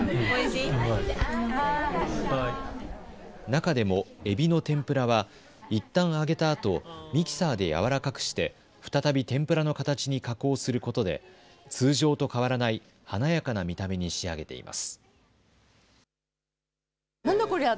中でもエビの天ぷらはいったん揚げたあとミキサーでやわらかくして再び天ぷらの形に加工することで通常と変わらない華やかな見た目に仕上げています。